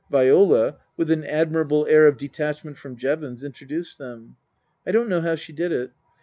Viola, with an admirable air of detachment from Jevons, introduced them. I don't know how she did it.